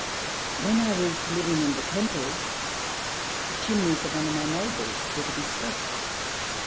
When I was living in the Temple, the chimneys of one of my neighbours were to be swept.